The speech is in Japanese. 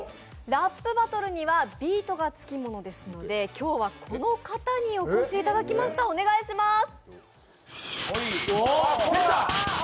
ラップバトルにはビートがつきものですので今日はこの方にお越しいただきました、お願いします！